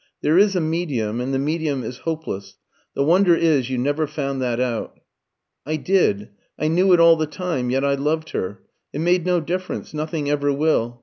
There is a medium, and the medium is hopeless. The wonder is you never found that out." "I did. I knew it all the time; yet I loved her. It made no difference nothing ever will.